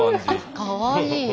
かわいい。